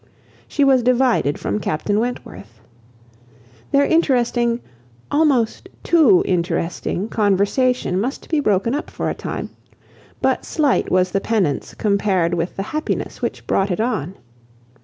She was divided from Captain Wentworth. Their interesting, almost too interesting conversation must be broken up for a time, but slight was the penance compared with the happiness which brought it on!